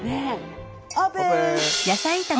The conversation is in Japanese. オープン！